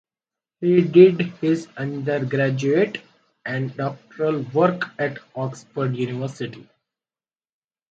He did his undergraduate and doctoral work at Oxford University.